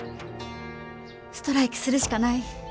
ストライキするしかない。